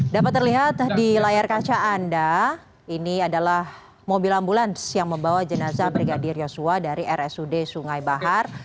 dapat terlihat di layar kaca anda ini adalah mobil ambulans yang membawa jenazah brigadir yosua dari rsud sungai bahar